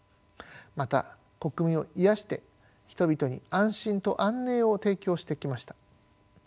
また国民を癒やして人々に安心と安寧を提供してきました。